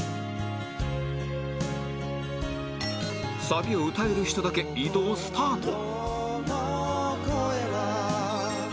サビを歌える人だけ移動スタート